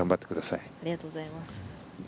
ありがとうございます。